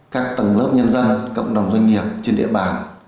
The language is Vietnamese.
các tầng lớp nhân dân cộng đồng doanh nghiệp trên địa bàn